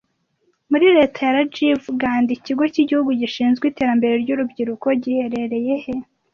Muri leta ya Rajiv Gandhi Ikigo cy’igihugu gishinzwe iterambere ry’urubyiruko giherereye he